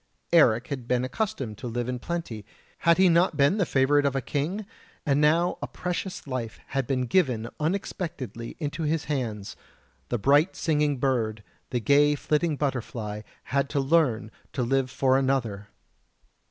Eric had been accustomed to live in plenty; had he not been the favourite of a king? And now a precious life had been given unexpectedly into his hands the bright singing bird, the gay flitting butterfly had to learn to live for another!